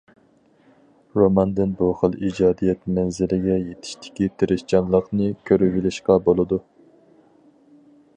روماندىن بۇ خىل ئىجادىيەت مەنزىلىگە يېتىشتىكى تىرىشچانلىقنى كۆرۈۋېلىشقا بولىدۇ.